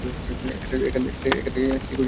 এখানে কী করছেন আমি ভালো করেই জানি।